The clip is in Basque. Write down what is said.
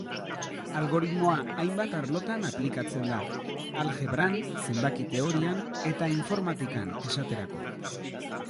Algoritmoa hainbat arlotan aplikatzen da; aljebran, zenbaki-teorian eta informatikan, esaterako.